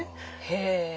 へえ。